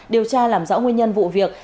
điều tra làm rõ nguyên nhân vụ việc